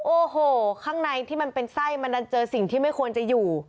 โอ้โหข้างในที่มันเป็นไส้มันดันเจอสิ่งที่ไม่ควรจะอยู่